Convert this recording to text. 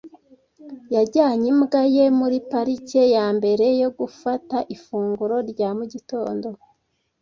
Yajyanye imbwa ye muri parike mbere yo gufata ifunguro rya mu gitondo.